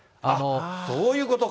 そういうことか。